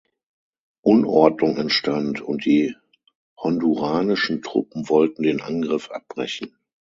Unordnung entstand und die honduranischen Truppen wollten den Angriff abbrechen.